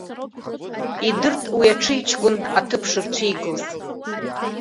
Идырт уи аҽыҩҷкәын аҭыԥ шырцәигоз.